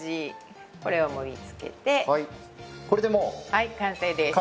はい完成です。